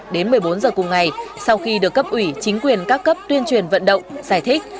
đến một mươi bốn giờ cùng ngày sau khi được cấp ủy chính quyền các cấp tuyên truyền vận động giải thích